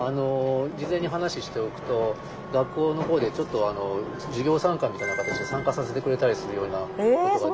事前に話しておくと学校の方でちょっと授業参観みたいな形で参加させてくれたりするようなことが。